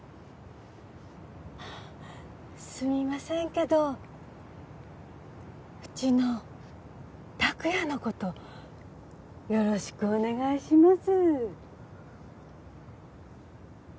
すみませんけどうちの託也の事よろしくお願いします。